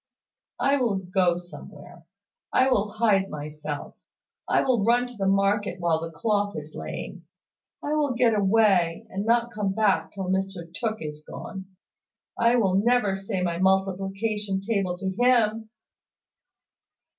"I will go somewhere. I will hide myself. I will run to the market while the cloth is laying. I will get away, and not come back till Mr Tooke is gone. I will never say my multiplication table to him!"